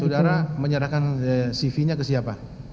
saudara menyerahkan cv nya ke siapa